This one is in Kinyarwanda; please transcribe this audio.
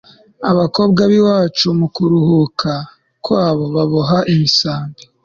abakobwa b'iwacu mu kuruhuka kwabo baboha imisambi